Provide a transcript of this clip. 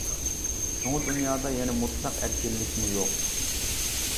شۇڭا دۇنيادا يەنە مۇتلەق ئەركىنلىكمۇ يوق.